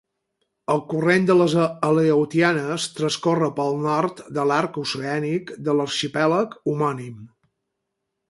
El corrent de les Aleutianes transcorre pel nord de l'arc oceànic de l'arxipèlag homònim.